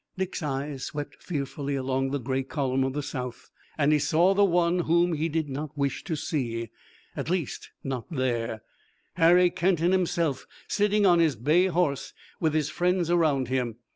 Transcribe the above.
Dick's eyes swept fearfully along the gray column of the South, and he saw the one whom he did not wish to see at least not there Harry Kenton himself, sitting on his bay horse with his friends around him.